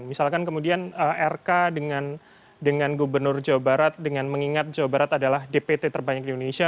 misalkan kemudian rk dengan gubernur jawa barat dengan mengingat jawa barat adalah dpt terbanyak di indonesia